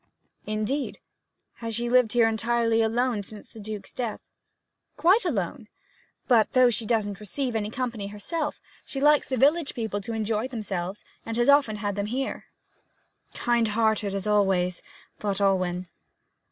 'Indeed. Has she lived here entirely alone since the Duke's death?' 'Quite alone. But though she doesn't receive company herself, she likes the village people to enjoy themselves, and often has 'em here.' 'Kind hearted, as always!' thought Alwyn.